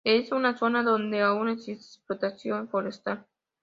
Es una zona donde aún existe explotación forestal.